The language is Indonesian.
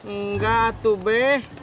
enggak tuh be